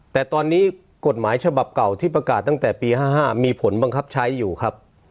แต่ตอนนี้กฎหมายฉบับเก่าที่ประกาศตั้งแต่ปี๕๕มีผลบังคับใช้อยู่ครับ